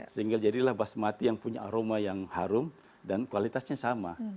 sehingga jadilah basmati yang punya aroma yang harum dan kualitasnya sama